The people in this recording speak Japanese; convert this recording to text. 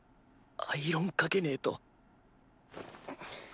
アイロンかけねぇと